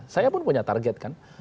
saya pun punya target kan